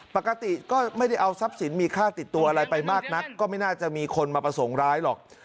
ปกติก็ไม่ได้เอาทรัพย์สินมีค่าติดตัวอะไรไปมากนักก็ไม่น่าจะมีคนมาประสงค์ร้ายหรอก